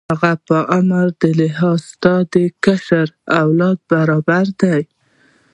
هغه د عمر په لحاظ ستا د کشر اولاد برابر دی.